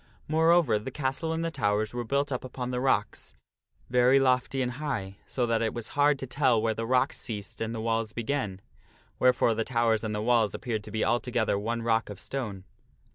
Moreover the castle and the towers were built up upon the rocks, very lofty and high, so that it was hard to tell where the rocks ceased and the walls began, wherefore the towers and the walls appeared to be altogether one rock of stone.